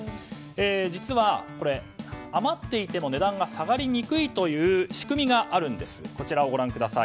実は、余っていても値段が下がりにくいという仕組みがあるんです。